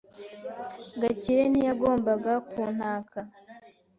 Gakire ntiyagombaga kuntaka.